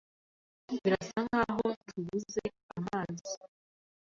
Birasa nkaho tubuze amazi.